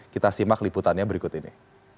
kita simak liputannya berikut ini